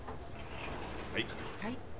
はい。